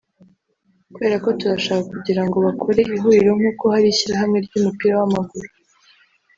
kubera ko turashaka kugira ngo bakore ihuriro nk’uko hari ishyirahamwe ry’umupira w’amaguru